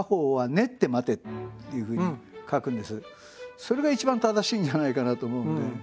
それが一番正しいんじゃないかなと思うんで。